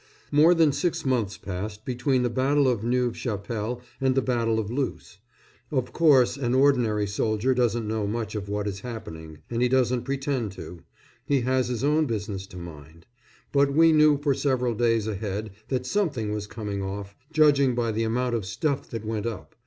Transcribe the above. More than six months passed between the battle of Neuve Chapelle and the battle of Loos. Of course an ordinary soldier doesn't know much of what is happening, and he doesn't pretend to he has his own business to mind; but we knew for several days ahead that something was coming off, judging by the amount of stuff that went up.